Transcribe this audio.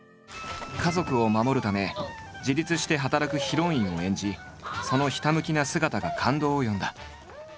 家族を守るため自立して働くヒロインを演じそのひたむきな姿が感動を呼んだ。